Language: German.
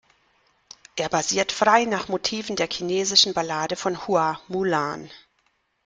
Er basiert frei nach Motiven der chinesischen Ballade von Hua Mulan.